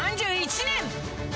３１年！